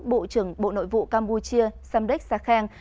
bộ trưởng bộ nội vụ campuchia samdek sakheng